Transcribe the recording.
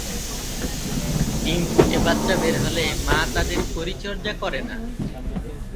ডিম ফুটে বাচ্চা বের হলে মা তাদের পরিচর্যা করে না।